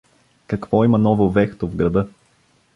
— Какво има ново-вехто в града?